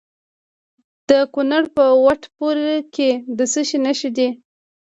د کونړ په وټه پور کې د څه شي نښې دي؟